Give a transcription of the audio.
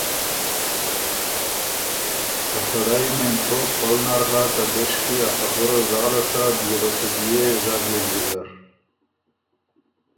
ا سړئ مېن توک پل نر هۀ که دُشکی ا خبُره زاله سۀ بيې وه سُو بيې ژغيېن ویزر۔